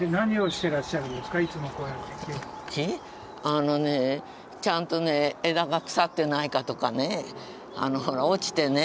あのねちゃんとね枝が腐ってないかとかねあの落ちてね